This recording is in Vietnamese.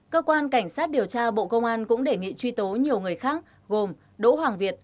cơ quan cảnh sát điều tra bộ công an cũng đề nghị truy tố nhiều người khác gồm đỗ hoàng việt